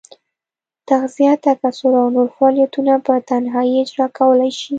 تغذیه، تکثر او نور فعالیتونه په تنهایي اجرا کولای شي.